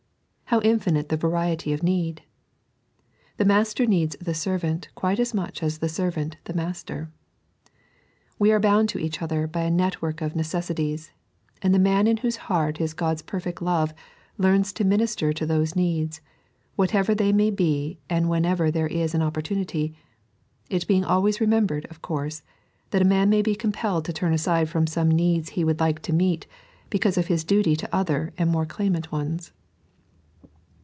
How infinite the variety of need I The master needs the servant, quite as much as the servant the master. We are bound to each other by a network of neceesitiee, and the man in whose heart is Qod's perfect love learns to minister to those needs, whatever they may be and whenever there is an oppc«tunity — it being always remembered, of course, that a man may be compelled to turn aside from some needs he woold like to meet, because of bis duty to other and more clamant ones.